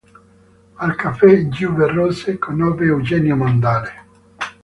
Al caffè "Giubbe rosse" conobbe Eugenio Montale.